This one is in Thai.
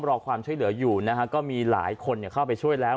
รอความช่วยเหลืออยู่นะฮะก็มีหลายคนเข้าไปช่วยแล้ว